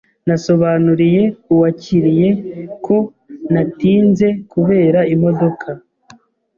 Nasobanuriye uwakiriye ko natinze kubera imodoka.